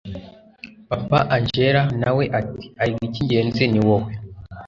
papa angella nawe ati erega icyigenzi niwowe